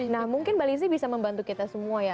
nah mungkin mbak lizzie bisa membantu kita semua ya